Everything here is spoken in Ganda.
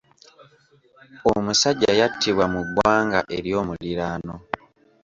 Omusajja yattibwa mu ggwanga ery'omuliraano.